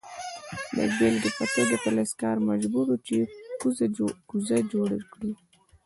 د بیلګې په توګه فلزکار مجبور و چې کوزه جوړه کړي.